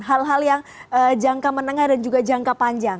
hal hal yang jangka menengah dan juga jangka panjang